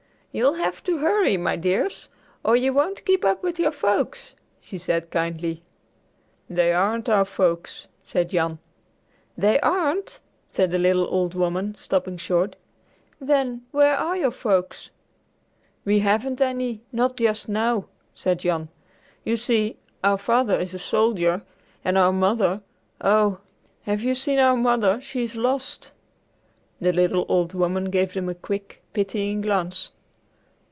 "You'll have to hurry, my dears, or you won't keep up with your folks," she said kindly. "They aren't our folks," said Jan. "They aren't?" said the little old woman, stopping short. "Then where are your folks?" "We haven't any, not just now," said Jan. "You see our father is a soldier, and our mother, oh, have you seen our mother? She's lost!" The little old woman gave them a quick, pitying glance.